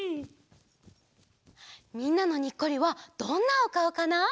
みんなのニッコリはどんなおかおかな？